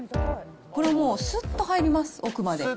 これもう、すっと入ります、奥まで。